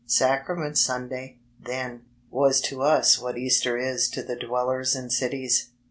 Sacrament Sunday, then, was to us what Easter is to the dwellers in cities.